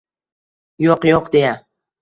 «Yo’q, yo’q», — deya